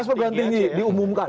tes per kurus tinggi diumumkan